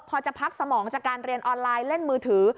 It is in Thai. พอจะพักสมองจากการเรียนออนไลน์เล่นมือถือ